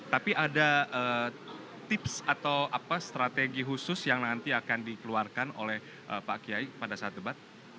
tapi ada tips atau apa strategi khusus yang nanti akan dikeluarkan oleh pak kiai pada saat debat